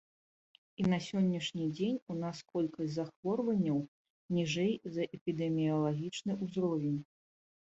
І на сённяшні дзень у нас колькасць захворванняў ніжэй за эпідэміялагічны ўзровень.